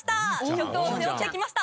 局を背負って来ました。